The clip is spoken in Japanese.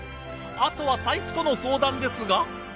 あとは財布との相談ですが。